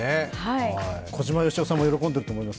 小島よしおさんも喜んでいると思います。